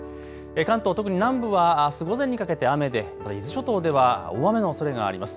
関東、特に南部はあす午前にかけて雨で伊豆諸島では大雨のおそれがあります。